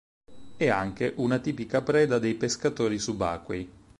È anche una tipica preda dei pescatori subacquei.